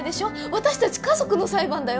私たち家族の裁判だよ。